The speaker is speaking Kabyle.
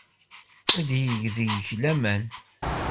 Ad yeg deg-k laman.